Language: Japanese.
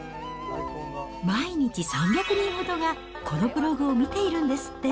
毎日３００人ほどがこのブログを見ているんですって。